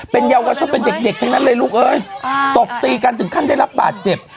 เป็นเด็กทั้งนั้นเลยลุกตบตีกันถึงขั้นได้รับบาดเจ็บ